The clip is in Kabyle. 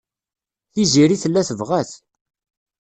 Tiziri tella tebɣa-t.